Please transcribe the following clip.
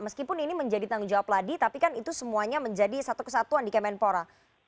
meskipun ini menjadi tanggung jawab ladi tapi kan itu semuanya menjadi satu kesatuan di kemenpora